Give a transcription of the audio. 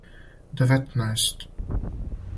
деветнаест